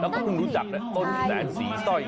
เราก็ไม่รู้จักต้นแสนสีส้อยเนี่ย